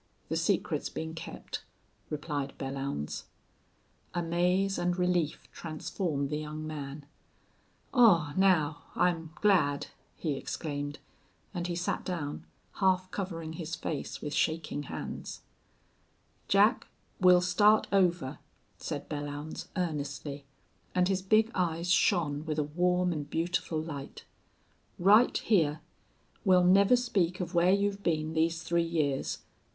The secret's been kept." replied Belllounds. Amaze and relief transformed the young man. "Aw, now, I'm glad " he exclaimed, and he sat down, half covering his face with shaking hands. "Jack, we'll start over," said Belllounds, earnestly, and his big eyes shone with a warm and beautiful light. "Right hyar. We'll never speak of where you've been these three years.